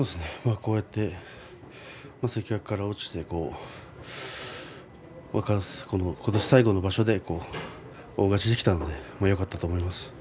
こうやって関脇から落ちてことし最後の場所で大勝ちできたのでよかったと思います。